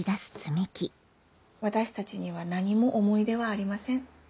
私たちには何も思い出はありません。